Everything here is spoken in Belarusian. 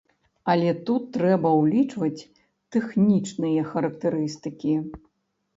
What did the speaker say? Але тут трэба ўлічваць тэхнічныя характарыстыкі.